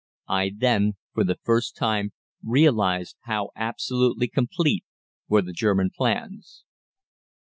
I then for the first time realised how absolutely complete were the German plans."